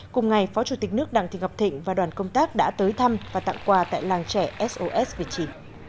cùng ngày phó chủ tịch nước đảng thị ngọc thịnh và đoàn công tác đã tới thăm và tặng quà tại làng trẻ sos vị trí